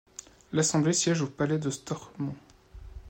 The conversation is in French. L'assemblée siège au palais de Stormont.